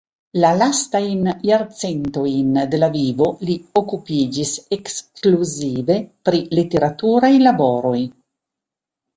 La lastajn jarcentojn de la vivo li okupiĝis ekskluzive pri literaturaj laboroj.